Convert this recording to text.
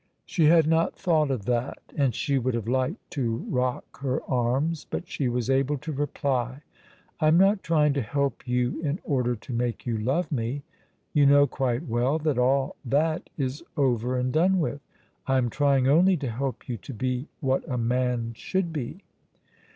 She had not thought of that, and she would have liked to rock her arms. But she was able to reply: "I am not trying to help you in order to make you love me; you know, quite well, that all that is over and done with. I am trying only to help you to be what a man should be."